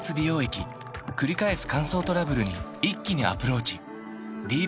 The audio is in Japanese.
くり返す乾燥トラブルに一気にアプローチ